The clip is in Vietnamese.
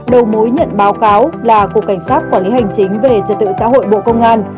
đầu mối nhận báo cáo là cục cảnh sát quản lý hành chính về trật tự xã hội bộ công an